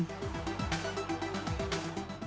dan mengetahui kecepatan lari pemain